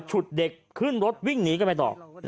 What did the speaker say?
ฉุดเด็กขึ้นรถวิ่งหนีกันไปต่อ